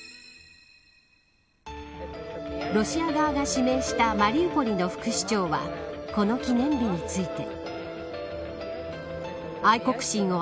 ロシア側が指名したマリウポリの副市長はこの記念日について。